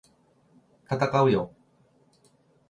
闘うよ！！